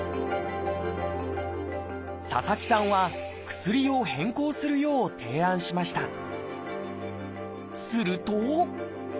佐々木さんは薬を変更するよう提案しました。